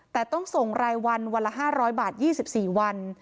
แต่ต้องส่งรายวันวันละ๕๐๐บาท๒๔วัน